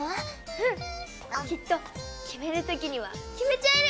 うん！きっとキメるときにはキメちゃえる！